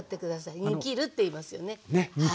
ねっ煮きるっていいますよね。